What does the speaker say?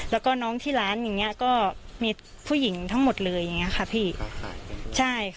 แล้วก็น้องที่ร้านก็มีห้องผู้หญิงทั้งหมดเลยพี่